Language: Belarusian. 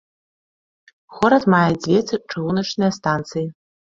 Горад мае дзве чыгуначныя станцыі.